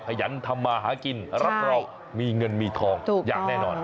ขยันทำมาหากินรับรองมีเงินมีทองอย่างแน่นอน